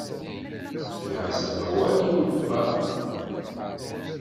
Fkiɣ-as amawal i uletma.